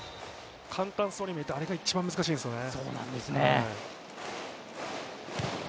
簡単そうに見えてあれが一番難しいんですよね。